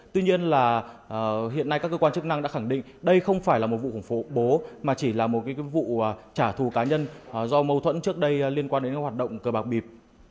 tuy nhiên là hiện nay các cơ quan chức năng đã khẳng định đây không phải là một vụ khủng bố bố mà chỉ là một vụ trả thù cá nhân do mâu thuẫn trước đây liên quan đến hoạt động cờ bạc bịp